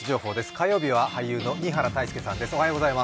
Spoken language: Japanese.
火曜日は俳優の新原泰佑さんです。